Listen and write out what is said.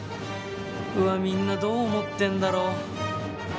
うわみんなどう思ってんだろう？